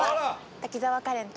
滝沢カレンと。